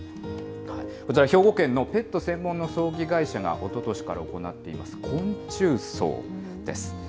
こちら、兵庫県のペット専門の葬儀会社がおととしから行っています、昆虫葬です。